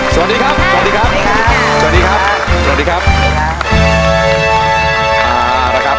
สวัสดีครับ